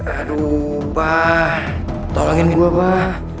aduh pak tolongin gua pak